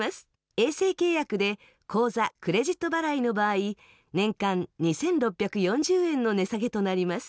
衛星契約で、口座・クレジット払いの場合、年間２６４０円の値下げとなります。